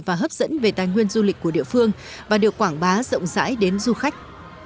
và hấp dẫn về tài nguyên du lịch của địa phương và được quảng bá rộng rãi đến du khách